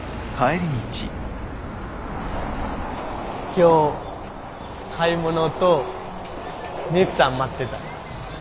今日買い物とミユキさん待ってた。